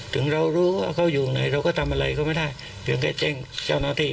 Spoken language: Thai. ถึงเรารู้ว่าเขาอยู่ไหนเราก็ทำอะไรเขาไม่ได้เพียงแค่แจ้งเจ้าหน้าที่